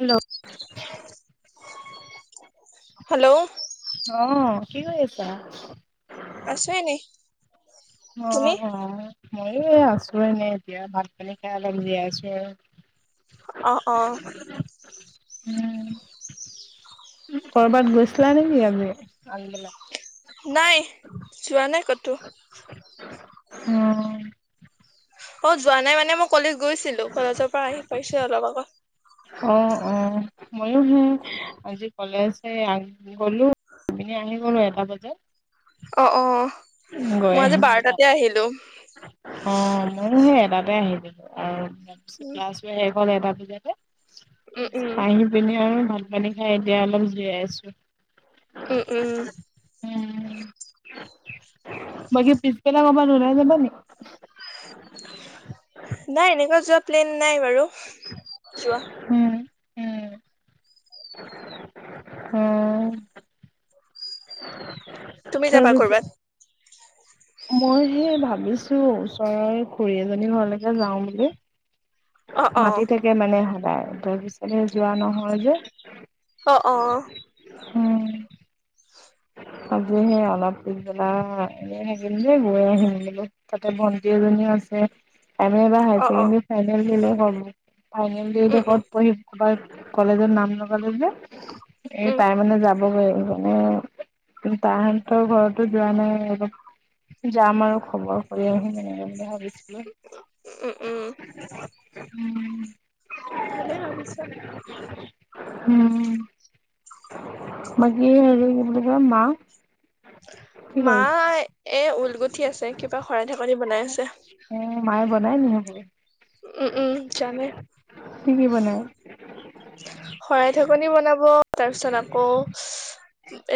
Hello. অ' hello কি কৰি আছা? আছো এনেই। অ', অ'। তুমি [unintelligible] মইয়ো এই আছো এনেই, এতিয়া ভাত পানী খাই অলপ জীয়াই আছো আৰু। অ', অ'। উম, ক'ৰবাত গৈছিলা নেকি আমি আগবেলা? নাই, যোৱা নাই ক'তো। অ'। অ' যোৱা নাই মানে মই কলেজ গৈছিলো। কলেজৰ পৰা আহি পাইছো অলপ আগত। অ', অ', মইয়ো সেই আজি কলেজ গ'লো আহি পিনে আহি গ'লো এটা বজাত। অ', অ'। গৈ মই আজি আহিলো। বাৰটাতে আহিলোঁ। অ' মইয়ো সেই এটাতে আহিছিলোঁ আৰু ক্লাছ উম ক্লাছো শেষ হ'ল এটা উম উম [unintelligible] আহি পিনি আৰু ভাত পানী খাই এতিয়া অলপ জিৰাই আছো। উম', উম'। উম, [unintelligible] [inaudible] নাই এনেকুৱা যোৱা প্লেন নাই বাৰু, যোৱা। উম, উম'। উম। তুমি যাবা তাৰপিছত কৰ'বাত। মই সেই ভাবিছো ওচৰৰ খুড়ী এজনীৰ ঘৰলৈকে যাওঁ বুলি। অ অ মাতি থাকে মানে সদায়। তাৰ পিছতে যোৱা নহয় যে। অ অ, উম আজি সেই অলপ পিছবেলা এনেই থাকিম যে গৈ আহিম বলো তাতে ভন্টি এজনীও আছে। এম এ বা হাই অ অ ছেকেণ্ডাৰীত ফাইনেল [unintelligible] ফাইনেল উম উম [unintelligible] কলেজত নাম ল [unintelligible] এই উম তাই মানে যাব [unintelligible] কিন্তু তাহঁতৰ ঘৰতো যোৱা নাই অলপ যাম আৰু খবৰ কৰি আহিম ভাবিছ উম উম [unintelligible] ভালে ভাবিছা। উম বাকী হেৰি কি হ মা কি কৰিছে? মায়ে এ ঊলগুঠি আছে কিবা শৰাই ঢাকনি বনাই আছে। অ' [unintelligible] উম উম জানে। কি কি বনাই? শৰাই ঢাকনি বনাব তাৰ পিছত আকৌ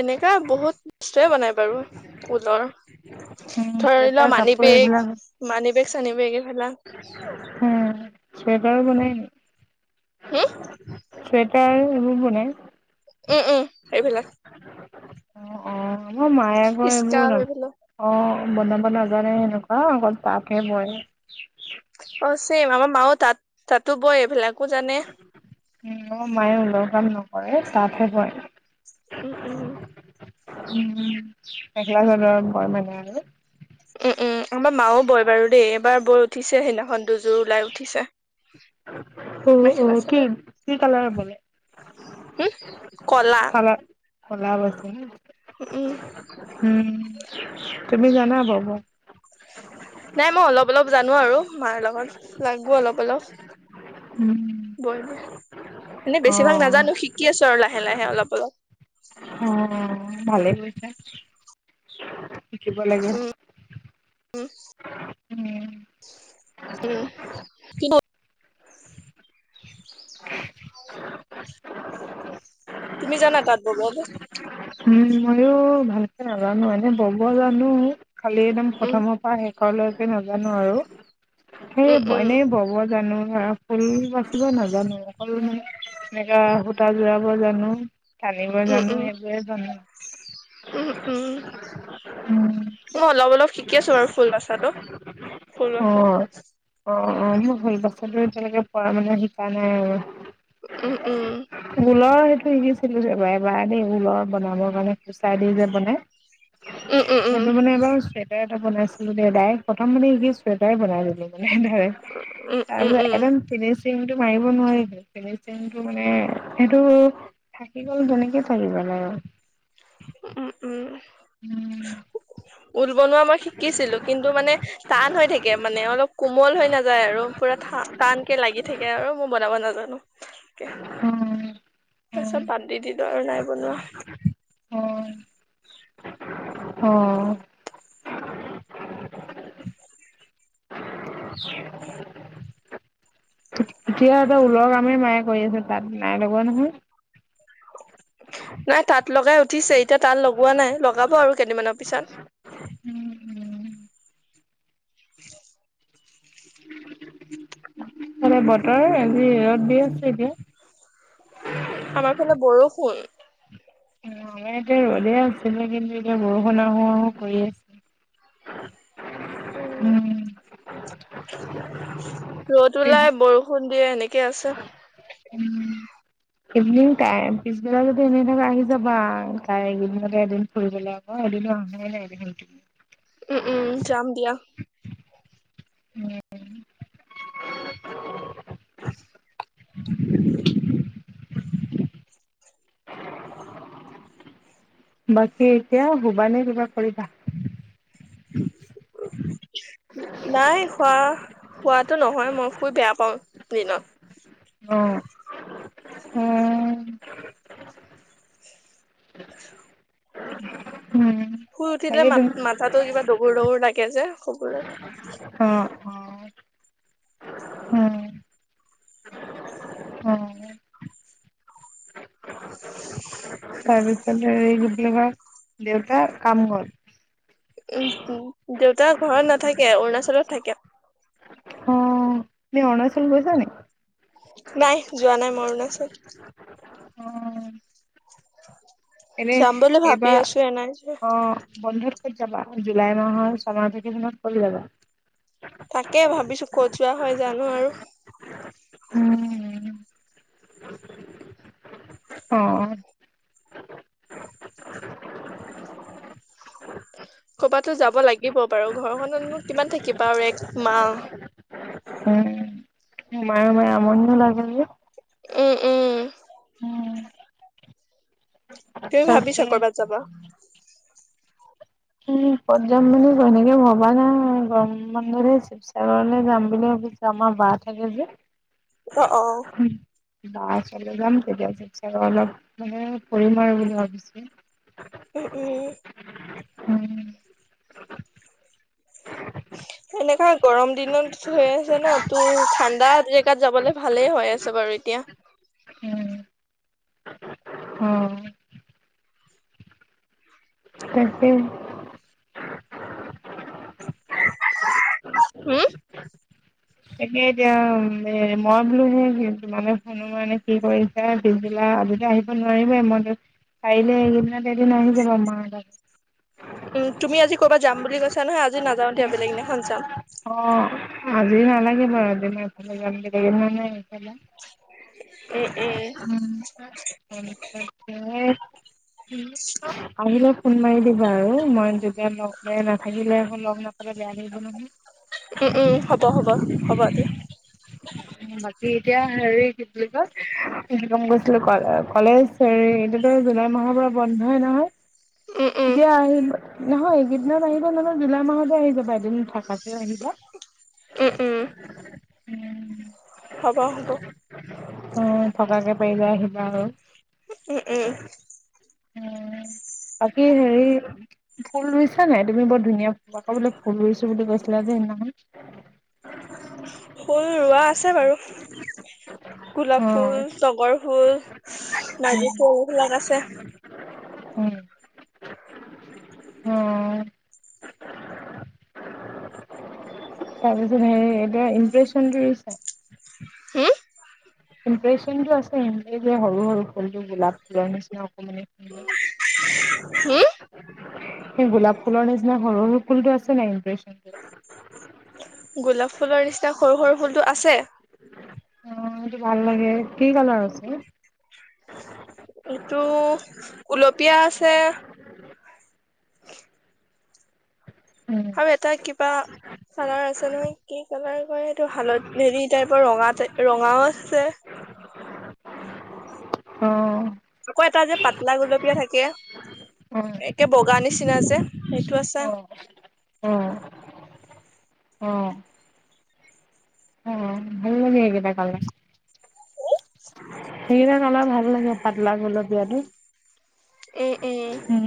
এনেকা বহুত বস্তুৱে বনাই বাৰু ঊলৰ, উম, ধৰি লোৱা চুৱেটাৰ মানি কাপোৰ বেগ এইবিলাক মানি বেগ চানী বেগ এইবিলাক। উম, চুৱেটাৰো বনাই নি হে চুৱেটা সেইবোৰ বনাই। উম উম এইবিলাক অ' অ' আমাৰ মাইয়ে আকৌ এইবোৰ স্কাপ ন এইবিলাক অ'। বনাব নাজানে সেনেকুৱা অকল তাঁতহে বয়। অ' ছেম আমাৰ মাও তাত তাতো বয় এইবিলাক। উম, মাইয়ো অলপ। কাম নকৰে তাত হে বয়। উম - উম। উম, মেখেলা চাদৰ বয় মানে আৰু। উম-উম, আমাৰ মাও বয় বাৰু দেই এবাৰ বৈ উঠিছে হে ন ভন্দুযোৰ ওলাই উঠিছে, অ' মেখেলা অ' কি চাদৰ কি কালাৰ বলে? হম, কলা। ফালা [unintelligible] উম। উম, তুমি জানা বব। নাই মই অলপ -অলপ জানো আৰু মাৰ লগত লাগো অলপ-অলপ। উম [unintelligible] এনে অ বেছিভাগ নাজানো, শিকি আছো আৰু লাহে - লাহে। হে অলপ - অলপ। অহ', ভালেই হৈছে শিকিব লাগে। উম। উম উম, কিব [unintelligible] [inaudible] তুমি জানা তাত বব। উম, ময়ো ভালকে নাজানো। খালি একদম উম, প্ৰথমৰ পৰা আহে। কৰলৈকে নাজানো আৰু। সেই উম, উম, এনে বব জানো। উম, ফুল বাচিব নাজানো অকল এনেকা সূতা জোৰাব জানো। টানিব উম, জানো উম, এ। [inaudible] উম - উম উম মই অলপ-অলপ শিকি আছো বাৰু ফুলবাচাটো - ফুলবাচাটো। অহ', - অহ', মই ফুল বচাটো এতিয়া লৈকে পৰা নাই শিকা নাই আৰু। উম, উম। গ'লাই। অই' দিছিলো এবা এবাৰ দেই। ল'ৰা বনাবৰ কাৰণে কুচাই দি যে মানে। উম, উম, উম, সেইটো মানে এবাৰ ষ্টেতাৰ বনাইছিলো দে ডাইৰেক্ট, প্ৰথম মানে শিকিচো। ফিল্টাৰ বনাই ললি মানে ডাইৰেক্ট, উম, উম, তাৰপিছত উম, একদম ফিনিচিংটো মাৰিব নোৱাৰিল ফিনিচিং টো মানে সেইটো থাকি গ'ল তেনেকে। লাগিব জানো। উম - উম-উম। অদো বনোৱা মই শিকিছিলো কিন্তু মানে টান হৈ থাকে মানে অলপ কোমল হৈ নাযায় আৰু পুৰা থান, টান কে লাগি থাকে আৰু মই বনাব নাজানো। হম। তাৰপিছত বাদ দি দিলোঁ আৰু নাই বনোৱা। অহ। এতিয়াৰ পৰা ওলৰ কামেই মায়ে কৰি আছে তাঁত নাই লগোৱা নহয়। নাই তাঁত লগাই উঠিছে এতিয়া তাঁত লগোৱা নাই, লগাব আৰু কেইদিনমানৰ পিছত। হেল্ল' বতৰ আজি ৰ'দ দি আছে এতিয়া। এ আমাৰফালে বৰষুণ। আমাৰ এতিয়া ৰ'দে আছিলে কিন্তু এতিয়া বৰষুণ আহো আহো কৰি আছে। উম, ৰ'দ পিছ ওলাই বৰষুণ দিয়ে নেক কি আছে? উম। ইভিনিং টাইম, পিছবেলা যদি এনেই থাকা আহি যাবা [unintelligible] এইকিদিনতে এদিন ফুৰিবলে আকৌ! এদিনো আহা নাই [unintelligible] উম, উম, যাম দিয়া। উম। [inaudible] বাকী, এতিয়া শুবানে কিবা কৰিবা? নাই শুৱা! শুৱাটো নহয়, মই শুই বেয়া পাওঁ। দিনত। অ', উম। [inaudible] উম। শুই উঠি দিলে বাকী তুমি [unintelligible] মাথাতো কিবা ডগুৰ ডগুৰ লাগে যে। চবৰে। অ', অ', উম। অ'। তাৰপিছত এই কি বুলি কয়, দেউতা কাম গ'ল? উম, [unintelligible] দেউতা ঘৰত নাথাকে, অৰুণাচলত থাকে। অহ! তুমি অৰুণাচল গৈছানে? নাই যোৱা নাই মই অৰুণাচল অ', এনে যাম বুলি ভাবি এইবাৰ আছো এনাই যে অহ! বন্ধত ক'ত যাবা! জুলাই মাহৰ ছামাৰ ভেকেচনত ক'লৈ যাবা? তাকেই ভাবিছো ক'ত যোৱা হয়, জানো আৰু। উম, অহ। [inaudible] ক'ৰবাতটো যাব লাগিব বাৰু! ঘৰখনত নো কিমান থাকিবা আৰু এক মাহ। উম, মায়ে ময়ে আমনিও লাগে‌ যে। উম, উম। তুমি ভাবিছা তাকে কৰবাত যাবা? উম, ক'ত যাম বুলি এনেকে ভবা নাই। গৰম বন্ধ যে, শিৱসাগৰলৈ যাম বুলি ভাবিছো। আমাৰ বা থাকে যে। অ', অ'। বা ওচৰলৈ যাম, তেতিয়া শিৱসাগৰ অলপ মানে ফুৰিম আৰু বুলি ভাবিছো। উম-উম। উম। এনেকুৱা গৰম। দিনত হৈ আছে ন তোৰ। ঠাণ্ডা জেগাত যাবলে ভালেই হৈ আছে বাৰু এতিয়া। অহ। তাকে। উম। তাকে এতিয়া মই বোলো সেই তোমালোক শুনো মানে কি কৰিছা পিছবেলা আজিটো আহিব নোৱাৰিবাই মইতো পাৰিলে এইকেইদিনতে এদিন আহি যাবা মা তাত। উম, তুমি আজি ক'ৰবাত যাম বুলি কৈছিলা। চিলা নহয় আজি নাযাও দিয়া বেলেগ দিনাখন যাম। অ' আজি নালাগে বাৰু আজ মই এফালে যামে মানে। উম আহিলে। ফোন মাৰি দিবা আৰু মই যেতিয়া নাথাকিলে। লগ বাকি উম উম হ'ব হ'ব হ'ব দিয়া এতিয়া। হেৰি কি বুলি কয় গৈছিলো কলেজ হেৰি এইটোতো জুলাই মাহৰ পৰা বন্ধই নহয়। উম উম দিয়া হব নহয় এইকেইদিনত আহিব নহয়। জুলাই মাহতে আহি যাবা এদিন থাকাকেও আহিবা। উম-উম। উম। হ'ব-হ'ব। অ' থকাকে পাৰিলে আহিবা আৰু। উম-উম-উম। উ বাকী হেৰি ফুল ৰুইছা নাই তুমি বৰ ধুনীয়া আকৌ বোলে ফুল ৰুইছো বুলি কৈছিলা যে সেইদিনা খনে। ফুল ৰোৱা আছে বাৰু গোলাপ অ', ফুল, তগৰ ফুল, নাৰ্জি উম, ফুল এইবিলাক আছে। অ'। তাৰপিছত হে এতিয়া ইমপ্ৰেচনটোছা হম। ইমপ্ৰেচনটো আছে এনেক যে সৰু সৰু ফুলটো গোলাপ ফুলৰ নিচিনা অকমান। হম। সেই গোলাপ ফুলৰ নিচিনা সৰু সৰু ফুলতটো আছে নাই ইমপ্ৰেচনটো। গোলাপ ফুলৰ নিচিনা সৰু-সৰু ফুলটো আছে। অ', সেইটো ভাল লাগে কি কালৰৰ? [unintelligible] এইটো গুলপীয়া আছে। ভাল আৰু লাগে এটা কিবা কালাৰ আছে নহয় কি কালাৰ? এইটো হালত হেৰি টাইপৰ ৰঙা-ৰঙাও আছে। [inaudible] আকৌ এটা যে অ'। পাতলা গুলপীয়া থাকে। উম। গা নিচিনা যে সেই অ', অ'। অ'। সেইকেটা কালাৰ্চ কালাৰ ভাল লাগে, পাতলা গুলপীয়াটো এই এ উম,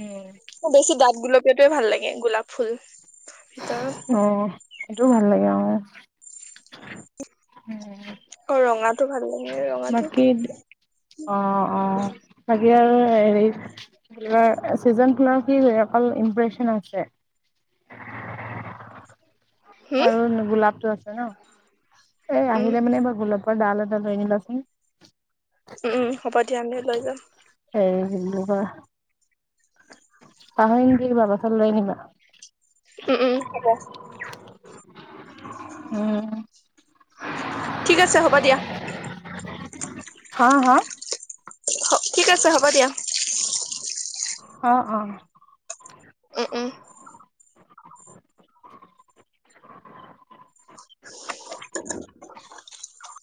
উম। বেছি দাঠ গুলপীয়াটয়ে ভাল লাগে। গোলাপ ফুল ভিতৰত অ', সেইটোও ভাল লাগে। অ'। উম। অ ৰঙাটো ভাল লাগে ৰঙাটো বাকী, অ', অ', [unintelligible] চিজন ফুলৰ কি হৈ, অকল ইমপ্ৰেচন আছে। হম আৰু গোলাপটো আছে ন', এ উম আহিলে মানে এইবাৰ গোলাপ ডাল এদাল লৈ আনিবাচোন। উম হ'ব দিয়া, আমিওঁ লৈ যাম। বাহ। পাহৰি নাথাকিবা, [unintelligible] লৈ আনিবা। উম, উম, হব। উম। ঠিক আছে হ'ব দিয়া। হা, হা? ঠিক আছে হ'ব দিয়া। অ', অ'। উম উম [inaudible]